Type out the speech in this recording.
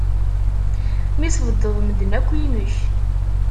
Mi tbeddeḍ medden akk yinek.